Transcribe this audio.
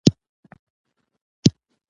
په ژمي کې غرونه په واورو پوښل شوي وي.